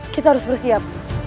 kita harus bersiap